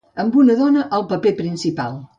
Amb una dona al paper principal.